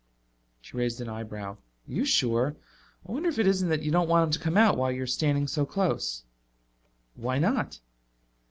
She raised an eyebrow. "Are you sure? I wonder if it isn't that you don't want him to come out while you're standing so close." "Why not?"